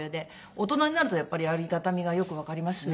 大人になるとやっぱりありがたみがよくわかりますね。